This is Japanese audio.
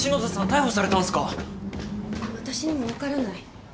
私にも分からない。